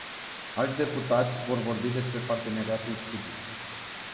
Alți deputați vor vorbi despre parteneriatul sudic.